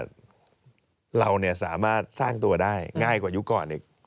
เราสามารถสร้างตัวได้ง่ายกว่ายุคก่อนอีก